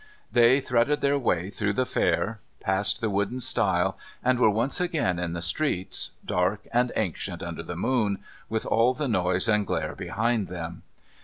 They threaded their way through the Fair, passed the wooden stile, and were once again in the streets, dark and ancient under the moon, with all the noise and glare behind them.